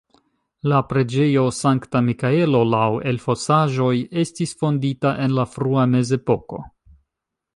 La preĝejo Sankta Mikaelo laŭ elfosaĵoj estis fondita en la frua mezepoko.